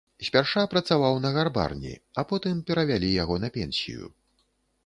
Спярша працаваў на гарбарні, а потым перавялі яго на пенсію.